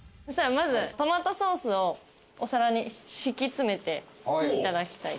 トマトソースをお皿に敷き詰めていただきたい。